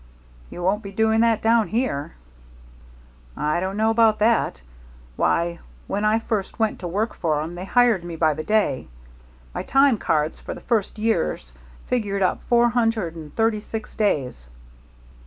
"You won't be doing that down here." "I don't know about that. Why, when I first went to work for 'em, they hired me by the day. My time cards for the first years figured up four hundred and thirty six days."